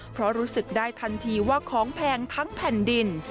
เพราะรู้สึกได้ทันทีว่าของแพงทั้งแผ่นดิน